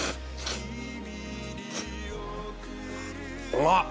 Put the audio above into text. うまっ！